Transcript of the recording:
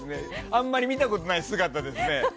あんまり見たことない姿ですね。